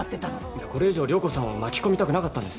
いやこれ以上涼子さんを巻き込みたくなかったんです。